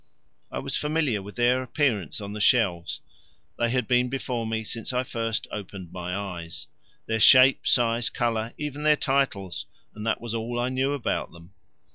I was familiar with their appearance on the shelves they had been before me since I first opened my eyes their shape, size, colour, even their titles, and that was all I knew about them.